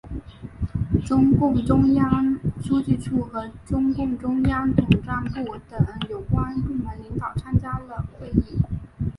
中共中央书记处和中共中央统战部等有关部门领导参加了会议。